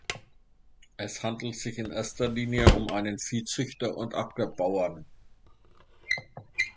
Es handelte sich in erster Linie um einen Viehzüchter und Ackerbauern.